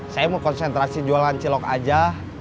saya mau konsentrasi jualan cilok aja